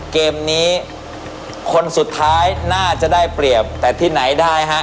เกมนี้คนสุดท้ายน่าจะได้เปรียบแต่ที่ไหนได้ฮะ